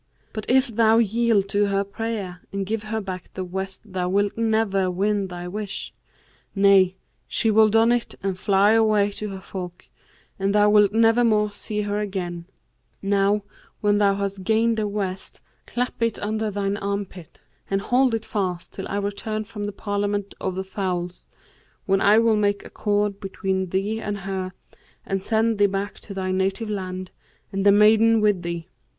But if thou yield to her prayer and give her back the vest thou wilt never win thy wish: nay, she will don it and fly away to her folk and thou wilt nevermore see her again Now when thou hast gained the vest, clap it under thine armpit and hold it fast, till I return from the Parliament of the Fowls, when I will make accord between thee and her and send thee back to thy native land, and the maiden with thee.